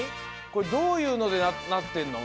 これどういうのでなってんの？